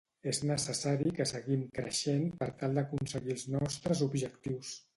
És necessari que seguim creixent per tal d'aconseguir els nostres objectius.